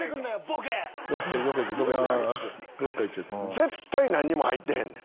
絶対何にも入ってへんねん。